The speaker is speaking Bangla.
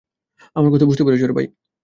আমার কথা বুঝতে পেরেছ?